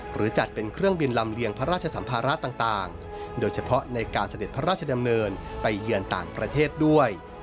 หรือจัดเป็นเครื่องบินลำเลียงพระราชสัมภาระต่างโดยเฉพาะในการเสด็จพระราชดำเนินไปเยือนต่างประเทศด้วย